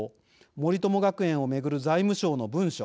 森友学園を巡る財務省の文書。